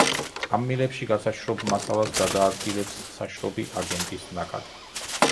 ამ მილებში გასაშრობ მასალას გადააადგილებს საშრობი აგენტის ნაკადი.